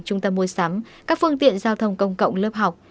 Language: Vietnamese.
trung tâm mua sắm các phương tiện giao thông công cộng lớp học